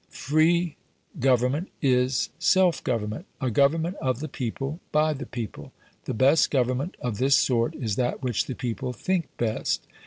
Free government is self government a government of the people by the people. The best government of this sort is that which the people think best.